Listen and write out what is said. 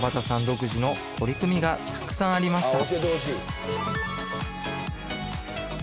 独自の取り組みがたくさんありました